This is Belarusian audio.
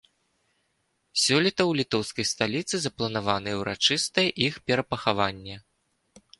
Сёлета ў літоўскай сталіцы запланаванае ўрачыстае іх перапахаванне.